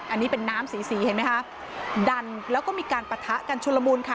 อันนี้เป็นน้ำสีสีเห็นไหมคะดันแล้วก็มีการปะทะกันชุลมูลค่ะ